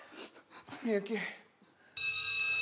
みゆき